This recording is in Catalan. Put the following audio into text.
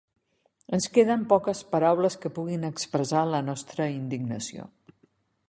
Ens queden poques paraules que puguin expressar la nostra indignació.